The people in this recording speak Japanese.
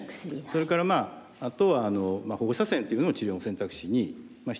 それからあとは放射線というのも治療の選択肢に一つ入ります。